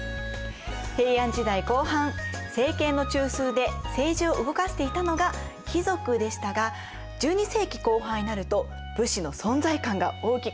平安時代後半政権の中枢で政治を動かしていたのが貴族でしたが１２世紀後半になると武士の存在感が大きくなっていくんです。